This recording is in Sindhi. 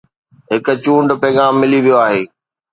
هڪ چونڊ پيغام ملي ويو آهي